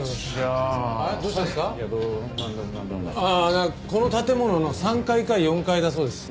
ああこの建物の３階か４階だそうです。